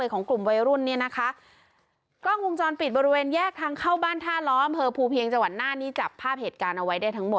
ก่องุชนปิดบริเวณแยกทางเข้าบ้านท่าร้อม